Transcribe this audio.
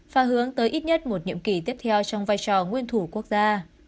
và hướng tới ít nhất một nhiệm kỳ tiếp theo trong vai trò nguyên thủ quốc gia